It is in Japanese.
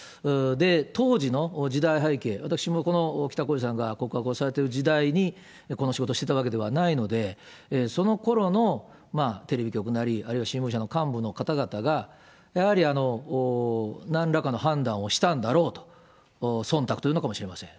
当時の時代背景、私もこの北公次さんが告発をされている時代にこの仕事をしてたわけではないので、そのころのテレビ局なり、あるいは新聞社の幹部の方々が、やはりなんらかの判断をしたんだろうと、そんたくというのかもしれません。